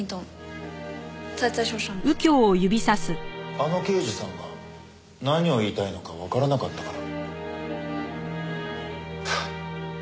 あの刑事さんが何を言いたいのかわからなかったから。